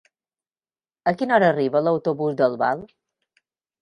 A quina hora arriba l'autobús d'Albal?